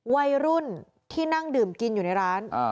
วัยรุ่นที่นั่งดื่มกินอยู่ในร้าน